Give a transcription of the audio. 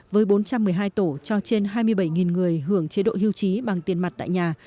với bốn trăm một mươi hai tổ cho trên hai mươi bảy người hưởng chế độ hưu trí bằng tiền mặt tại nhà